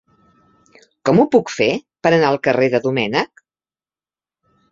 Com ho puc fer per anar al carrer de Domènech?